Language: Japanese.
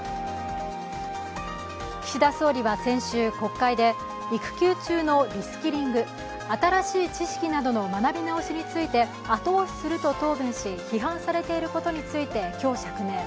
岸田総理は先週、国会で育休中のリスキリング、新しい知識などの学び直しについて後押しすると答弁し批判されていることについて今日釈明。